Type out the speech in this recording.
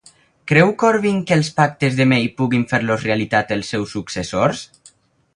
Creu Corbyn que els pactes de May puguin fer-los realitat els seus successors?